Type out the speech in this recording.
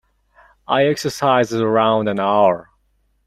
I exercised around an hour.